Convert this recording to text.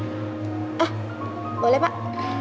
ah boleh pak